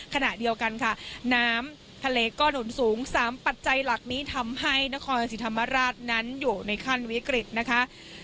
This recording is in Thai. ขณะเดียวกันค่ะน้ำทะเลก็หนุนสูง๓ปัจจัยหลักนี้ทำให้นครศรีธรรมราชนั้นอยู่ในขั้นวิกฤตนะคะ